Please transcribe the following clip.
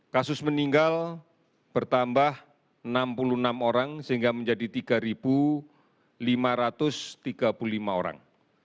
kasus meninggal bertambah enam puluh enam orang sehingga menjadi tiga lima ratus tiga puluh lima orang